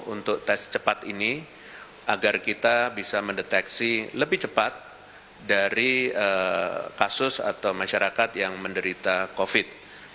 untuk tes cepat ini agar kita bisa mendeteksi lebih cepat dari kasus atau masyarakat yang menderita covid